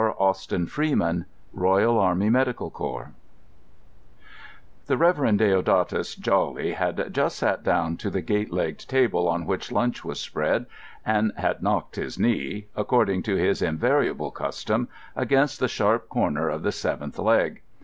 Austin Freeman Royal Army Medical Corps The Reverend Deodatus Jawley had just sat down to the gate legged table on which lunch was spread and had knocked his knee, according to his invariable custom, against the sharp corner of the seventh leg.